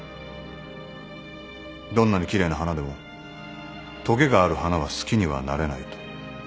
どんなに奇麗な花でもとげがある花は好きにはなれないと。